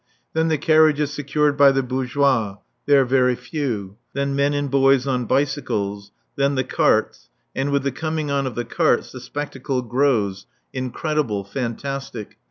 Then the carriages secured by the bourgeois (they are very few); then men and boys on bicycles; then the carts, and with the coming on of the carts the spectacle grows incredible, fantastic.